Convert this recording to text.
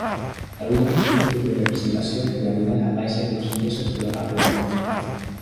Algunos vestigios de representaciones de animales aparecen en los yesos de la parte norte.